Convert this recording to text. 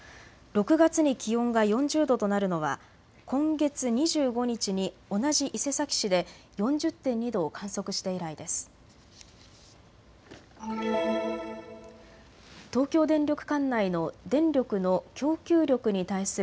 ６月に気温が４０度となるのは今月２５日に同じ伊勢崎市で４０．２度を観測して以来です。